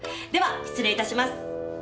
では失礼致します。